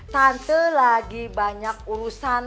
tante lagi banyak urusan